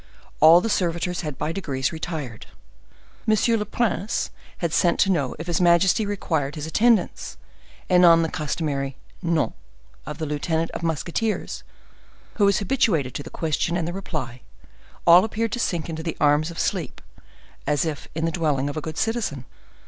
All the servitors had by degrees retired. Monsieur le Prince had sent to know if his majesty required his attendance; and on the customary "No" of the lieutenant of musketeers, who was habituated to the question and the reply, all appeared to sink into the arms of sleep, as if in the dwelling of a good citizen.